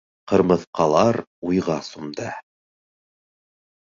Ҡырмыҫҡалар уйға сумды.